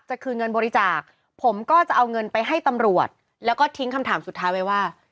คืนเงินบริจาคผมก็จะเอาเงินไปให้ตำรวจแล้วก็ทิ้งคำถามสุดท้ายไว้ว่า